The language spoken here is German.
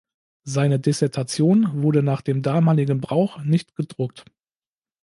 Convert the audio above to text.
Seine Dissertation wurde nach dem damaligen Brauch nicht gedruckt.